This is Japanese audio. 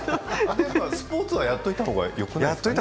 スポーツはやっていたほうがよくない？